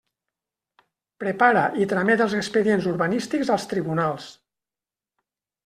Prepara i tramet els expedients urbanístics als tribunals.